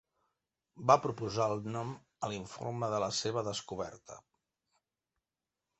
Va proposar el nom a l'informe de la seva descoberta.